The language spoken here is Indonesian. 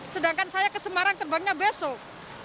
sedangkan saya ke semarang terbangnya besok